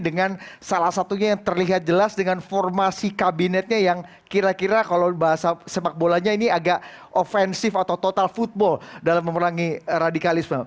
dengan salah satunya yang terlihat jelas dengan formasi kabinetnya yang kira kira kalau bahasa sepakbolanya ini agak ofensif atau total football dalam memerangi radikalisme